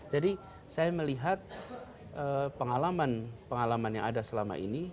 jadi saya melihat pengalaman pengalaman yang ada selama ini